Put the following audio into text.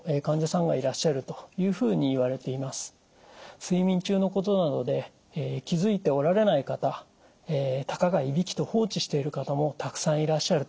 睡眠中のことなので気付いておられない方たかがいびきと放置している方もたくさんいらっしゃると思います。